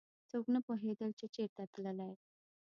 څوک نه پوهېدل چې چېرته تللی.